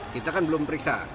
kita kan belum periksa